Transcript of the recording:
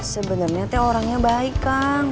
sebenernya teh orangnya baik kan